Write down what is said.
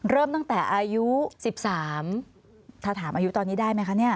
เริ่มตั้งแต่อายุ๑๓ถ้าถามอายุตอนนี้ได้ไหมคะเนี่ย